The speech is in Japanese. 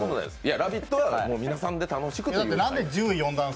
「ラヴィット！」は皆さんで楽しくという感じで。